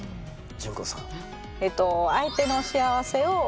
淳子さん。